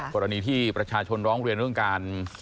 กรณีที่ประชาชนร้องเรียนเรื่องการ